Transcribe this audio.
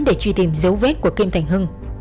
để truy tìm dấu vết của kim thành hưng